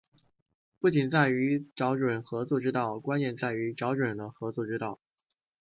不仅在于找准合作之道，关键在于找准了合作之道